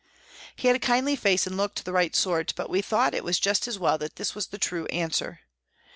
He had a kindly face and looked the right sort, but we thought it was just as well that this was the true answer.